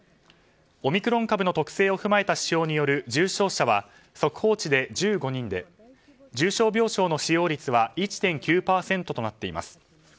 オミクロン株の特性を踏まえた指標による重症者は速報値で１５人で重症病床の使用率は１．９％となっています。